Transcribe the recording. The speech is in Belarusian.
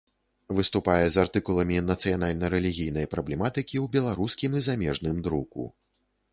Выступае з артыкуламі нацыянальна-рэлігійнай праблематыкі ў беларускім і замежным друку.